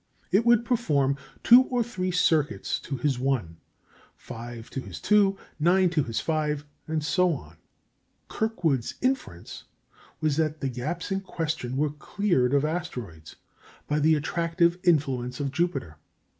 It would perform two or three circuits to his one, five to his two, nine to his five, and so on. Kirkwood's inference was that the gaps in question were cleared of asteroids by the attractive influence of Jupiter.